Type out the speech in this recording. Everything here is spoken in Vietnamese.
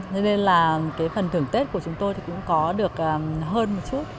thế nên là cái phần thưởng tết của chúng tôi thì cũng có được hơn một chút